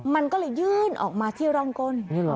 มันก็เลยยื่นออกมาที่ร่องก้น